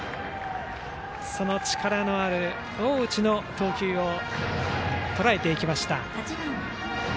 力のある大内の投球をとらえていきました。